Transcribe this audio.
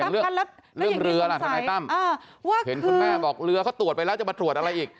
เรื่องเรือล่ะทนายตั้มเห็นคุณแม่บอกเรือเขาตรวจไปแล้วจะมาตรวจอะไรอีก